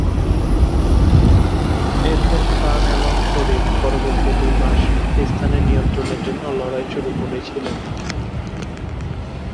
এরপরে খান এবং শরীফ পরবর্তী দুই মাস পাকিস্তানের নিয়ন্ত্রণের জন্য লড়াই শুরু করেছিলেন।